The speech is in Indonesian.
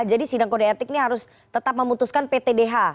jadi sindang kode etik ini harus tetap memutuskan ptdh